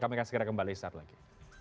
kami akan segera kembali saat lagi